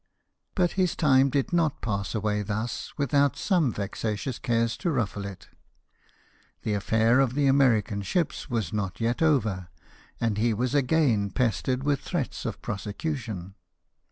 But his time did not pass away thus without some vexatious cares to ruffle it. The affair of the American ships was not yet over, and he was again pestered with threats of prosecution.